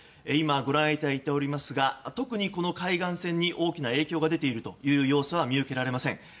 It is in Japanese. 今ご覧いただいていますが海岸線に特に大きな影響が出ている様子は見受けられません。